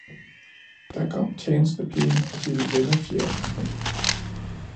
Da kom tjenestepigen og ville vende fjerdingen